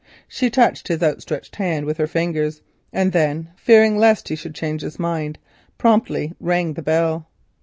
She touched his outstretched hand with her fingers, and then fearing lest he should change his mind, promptly rang the bell.